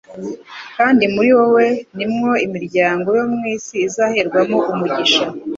kandi muri wowe ni mwo imiryango yo mu isi izaherwamo umugisha."